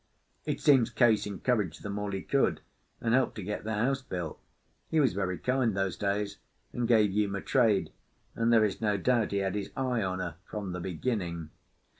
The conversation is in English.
It seems Case encouraged them all he could, and helped to get their house built. He was very kind those days, and gave Uma trade, and there is no doubt he had his eye on her from the beginning.